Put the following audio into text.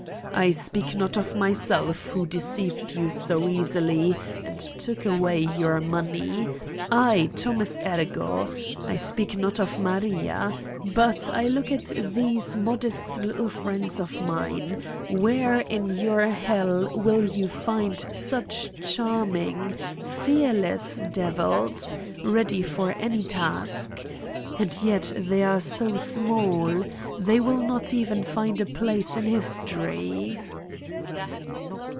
I speak not of my self, who deceived you so easily and took away your money: I, Thomas Ergo. I speak not of Maria. But look at these modest little friends of mine : where in your hell will you find such charm ing, fearless devils, ready for any task? And yet they are so small, they will not even find a place in history."